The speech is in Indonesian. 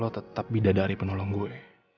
lo tetap beda dari penolong gue